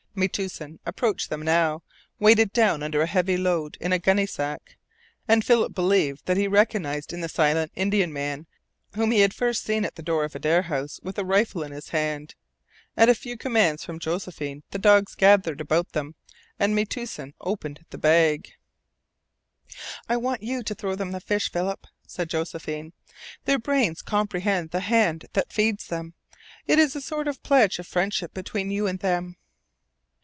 Metoosin approached them now, weighted down under a heavy load in a gunny sack, and Philip believed that he recognized in the silent Indian the man whom he had first seen at the door of Adare House with a rifle in his hands. At a few commands from Josephine the dogs gathered about them, and Metoosin opened the bag. "I want you to throw them the fish, Philip," said Josephine. "Their brains comprehend the hand that feeds them. It is a sort of pledge of friendship between you and them."